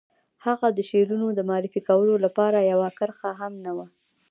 د هغه د شعرونو د معرفي لپاره يوه کرښه هم نه وه.